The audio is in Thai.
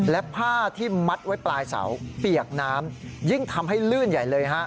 และผ้าที่มัดไว้ปลายเสาเปียกน้ำยิ่งทำให้ลื่นใหญ่เลยฮะ